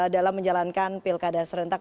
dalam menjalankan pilkada serentak